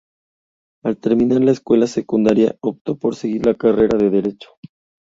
Al terminar la escuela secundaria optó por seguir la carrera de Derecho.